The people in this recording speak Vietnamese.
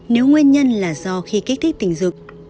nếu nguyên nhân là do khi kích thích tình dục